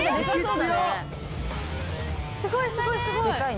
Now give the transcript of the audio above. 「すごいすごいすごい！」